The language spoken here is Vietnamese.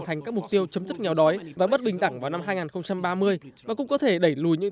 thành các mục tiêu chấm dứt nghèo đói và bất bình đẳng vào năm hai nghìn ba mươi và cũng có thể đẩy lùi những